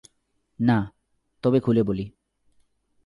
না, তবে খুলে বলি।